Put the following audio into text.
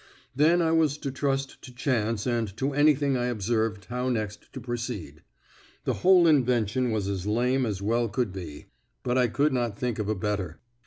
Then I was to trust to chance and to anything I observed how next to proceed. The whole invention was as lame as well could be, but I could not think of a better.